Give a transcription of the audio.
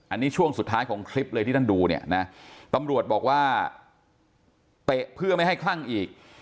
อันนี้ช่วงสุดท้ายของคลิปเลยที่ท่านดูเนี่ยนะตำรวจบอกว่าเตะเพื่อไม่ให้คลั่งอีก